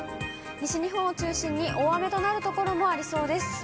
西日本を中心に大雨となる所もありそうです。